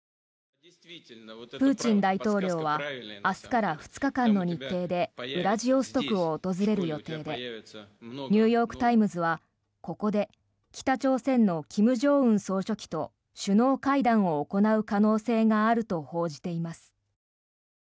プーチン大統領は明日から２日間の日程でウラジオストクを訪れる予定でニューヨーク・タイムズはここで北朝鮮の金正恩総書記と首脳会談を行う可能性があると報じています。